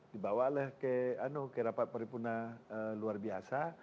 dibawalah ke rapat paripurna luar biasa